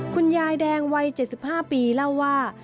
คุณยายแดงวัย๗๕ปีเล่าว่า